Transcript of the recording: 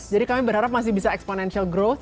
jadi kami berharap masih bisa exponential growth